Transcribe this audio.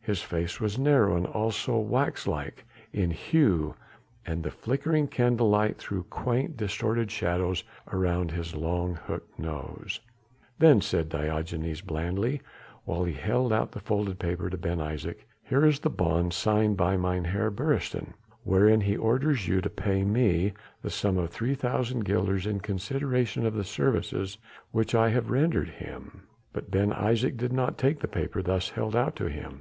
His face was narrow and also waxlike in hue and the flickering candle light threw quaint, distorted shadows around his long hooked nose. "Then," said Diogenes blandly while he held out a folded paper to Ben Isaje, "here is the bond signed by Mynheer Beresteyn wherein he orders you to pay me the sum of 3,000 guilders in consideration of the services which I have rendered him." But Ben Isaje did not take the paper thus held out to him.